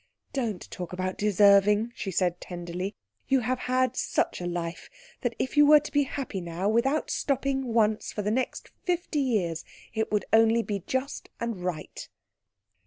"Don't talk about deserving," she said tenderly. "You have had such a life that if you were to be happy now without stopping once for the next fifty years it would only be just and right."